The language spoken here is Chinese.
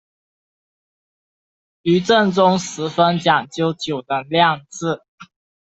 菊正宗十分讲究酒的酿制。